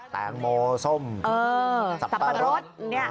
แตงโมส้มสับปะรด